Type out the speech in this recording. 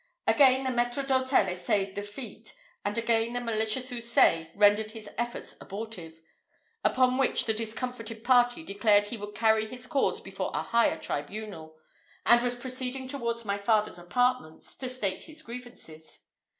Again the maître d'hôtel essayed the feat, and again the malicious Houssaye rendered his efforts abortive; upon which the discomfited party declared he would carry his cause before a higher tribunal, and was proceeding towards my father's apartments to state his grievances.